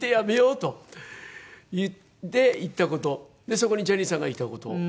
そこにジャニーさんがいた事。